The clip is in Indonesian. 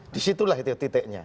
disitulah itu titiknya